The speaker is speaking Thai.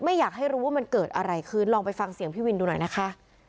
อยากให้รู้ว่ามันเกิดอะไรขึ้นลองไปฟังเสียงพี่วินดูหน่อยนะคะ